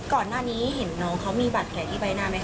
ก่อนหน้านี้เห็นน้องเขามีบาดแผลที่ใบหน้าไหมค